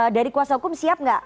dari kuasa hukum siap nggak